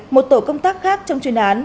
một tổ công tác khác trong chuyên án